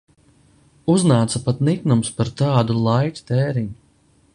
Uznāca pat niknums par tādu laika tēriņu.